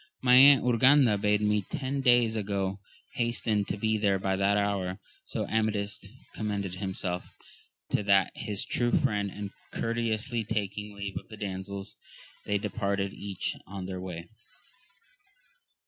My Aunt Urganda bade me ten days ago hasten to be there by that hour. So Amadis commended himself to that his true friend, and courteously taking leave of the damsels, they de parted each on their way.